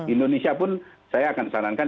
indonesia pun saya akan sarankan